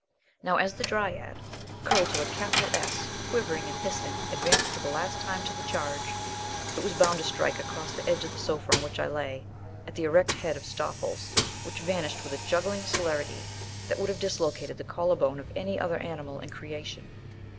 Now, as the Dryad, curled to a capital S, quivering and hissing advanced for the last time to the charge, it was bound to strike across the edge of the sofa on which I lay, at the erect head of Stoffles, which vanished with a juggling celerity that would have dislocated the collar bone of any other animal in creation.